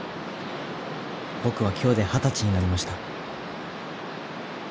僕は今日で二十歳になりました。